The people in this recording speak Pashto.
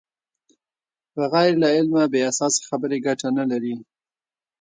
بغیر له علمه بې اساسه خبرې ګټه نلري.